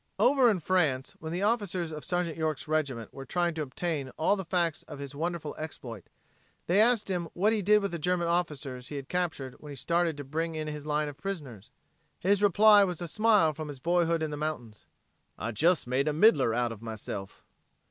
Over in France when the officers of Sergeant York's regiment were trying to obtain all the facts of his wonderful exploit, they asked him what he did with the German officers he had captured when he started to bring in his line of prisoners. His reply was a simile from his boyhood in the mountains: "I jes made a middler out of myself."